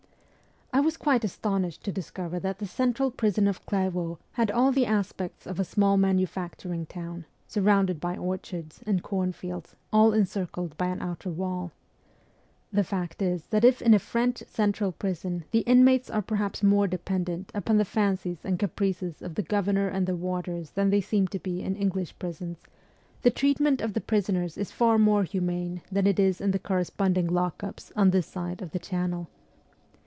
I was quite astonished to discover that the central prison of Clairvaux had all the aspects of a small manufacturing town, surrounded by orchards and cornfields, all encircled by an outer wall. The fact is that if in a French central prison the inmates are perhaps more dependent upon the fancies and caprices of the governor and the warders than they seem to be in English prisons, the treatment of the prisoners is far more humane than it is in the corresponding lock ups on this side of the Channel.